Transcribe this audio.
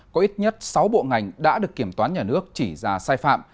có ít nhất sáu bộ ngành đã được kiểm toán nhà nước chỉ ra sai phạm